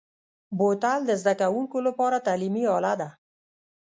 بوتل د زده کوونکو لپاره تعلیمي اله ده.